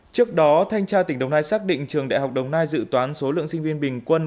trước đó thanh tra tỉnh đồng nai xác định trường đại học đồng nai dự toán số lượng sinh viên bình quân